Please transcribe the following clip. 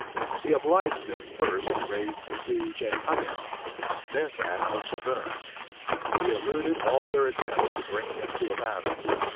He obliged them first to raise the siege of Hagenau, then that of Saberne. He eluded all their attempts to bring him to a battle.